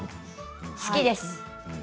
好きです。